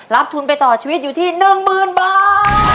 รับทุนไปต่อชีวิตอยู่ที่หนึ่งหมื่นบาท